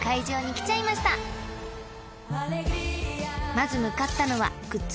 ［まず向かったのはグッズ売り場］